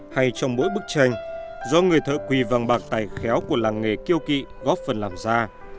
hay trong mỗi bức tranh do người thợ quỳ vàng bạc tài khéo của làng nghề kiêu kỵ góp phần làm ra